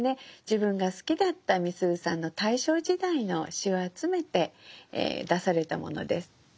自分が好きだったみすゞさんの大正時代の詩を集めて出されたものです。